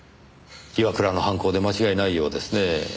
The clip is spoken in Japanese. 岩倉の犯行で間違いないようですねぇ。